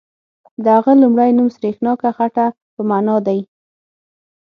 د هغه لومړی نوم سریښناکه خټه په معنا دی.